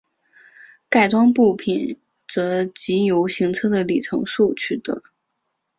改装部品则藉由行车的里程数取得。